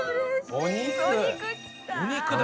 お肉だ！